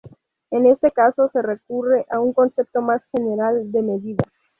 En ese caso se recurre a un concepto más general de medida.